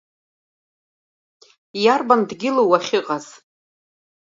Иарбан дгьылу уахьыҟаз?